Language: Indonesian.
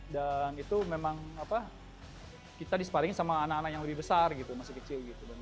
dan itu memang kita di sparingin sama anak anak yang lebih besar gitu masih kecil